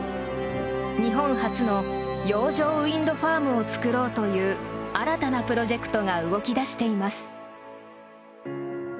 日本初の洋上ウィンドファームを作ろうという新たなプロジェクトが動き出しています。